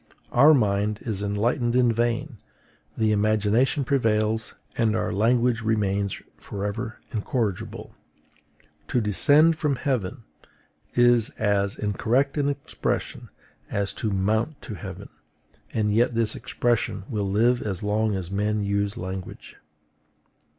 Our mind is enlightened in vain; the imagination prevails, and our language remains forever incorrigible. To DESCEND FROM HEAVEN is as incorrect an expression as to MOUNT TO HEAVEN; and yet this expression will live as long as men use language.